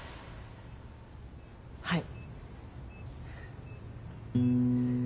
はい。